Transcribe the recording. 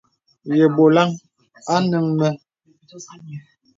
Yə bɔlaŋ a nɛŋ mə.